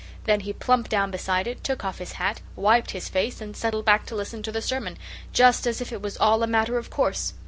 Then he plumped down beside it, took off his hat, wiped his face, and settled back to listen to the sermon, just as if it was all a matter of course.